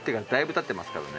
たってますからね。